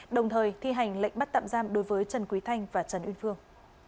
đồng thời thi hành lệnh bắt tạm giam đối với trần quý thanh và trần uyên phương